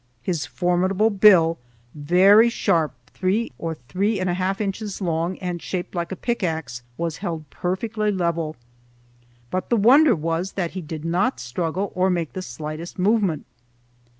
His formidable bill, very sharp, three or three and a half inches long, and shaped like a pickaxe, was held perfectly level. But the wonder was that he did not struggle or make the slightest movement.